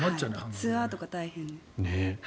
ツアーとか大変。